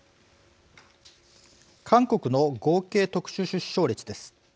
韓国の合計特殊出生率です。